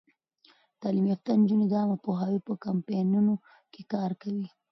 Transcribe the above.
تعلیم یافته نجونې د عامه پوهاوي په کمپاینونو کې کار کوي.